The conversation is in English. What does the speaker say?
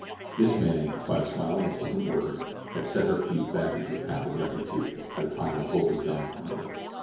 This man, by a smile and a pleasant word, had set her feet back into the path of rectitude at a time when hope was gone from her life.